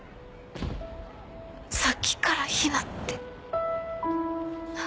さっきからヒナって。